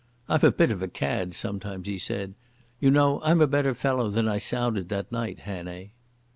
"I'm a bit of a cad sometimes," he said. "You know I'm a better fellow than I sounded that night, Hannay."